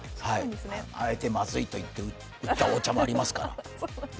あえて「まずい」と言ったお茶もありますから。